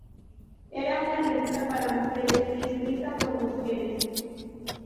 Era una revista para mujeres y escrita por mujeres.